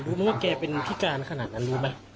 รู้ไหมว่าแกเป็นพิการขนาดนั้นรู้ไหม